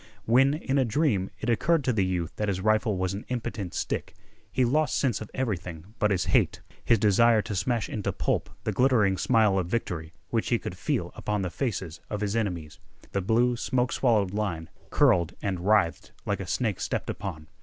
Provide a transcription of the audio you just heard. When, in a dream, it occurred to the youth that his rifle was an impotent stick, he lost sense of everything but his hate, his desire to smash into pulp the glittering smile of victory which he could feel upon the faces of his enemies. The blue smoke swallowed line curled and writhed like a snake stepped upon.